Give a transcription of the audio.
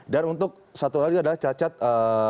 dan untuk satu lagi adalah cacat tetap sebagian